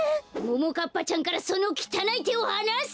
ももかっぱちゃんからそのきたないてをはなせ！